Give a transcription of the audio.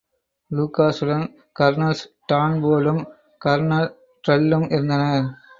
லூகாஸுடன் colonels டான்போர்டும், colonel டிரெல்லும் இருந்தனர்.